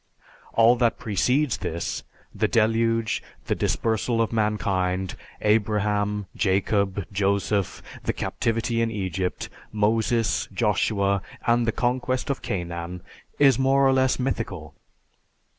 All that precedes this the deluge, the dispersal of mankind, Abraham, Jacob, Joseph, the captivity in Egypt, Moses, Joshua, and the conquest of Canaan, is more or less mythical.